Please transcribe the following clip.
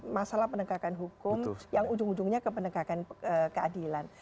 masalah penegakan hukum yang ujung ujungnya ke penegakan keadilan